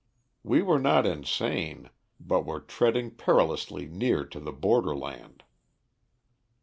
We were not insane, but were treading perilously near to the borderland.